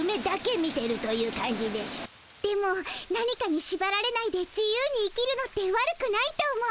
でも何かにしばられないで自由に生きるのって悪くないと思う。